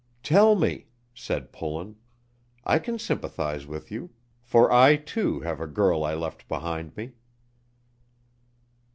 "Tell me," said Pullen, "I can sympathize with you, for I, too, have a girl I left behind me."